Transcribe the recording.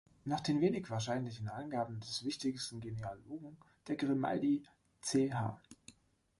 Nach den wenig wahrscheinlichen Angaben des wichtigsten Genealogen der Grimaldi, Ch.